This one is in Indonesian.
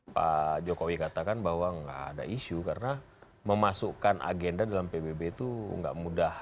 pak jokowi katakan bahwa nggak ada isu karena memasukkan agenda dalam pbb itu nggak mudah